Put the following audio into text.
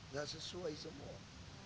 nggak sesuai semua